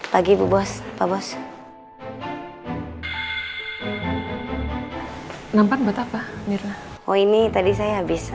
pagi ibu bos pak bos